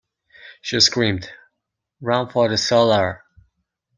She screamed; "run for the cellar!"